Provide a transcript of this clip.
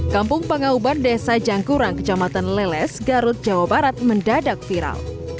kampung pangauban desa jangkurang kecamatan leles garut jawa barat mendadak viral